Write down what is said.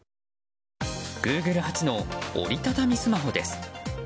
グーグル初の折り畳みスマホです。